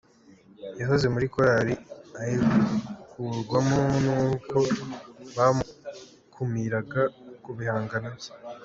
Yahoze muri korali ayikurwamo n’uko bamukumiraga ku bihangano bye.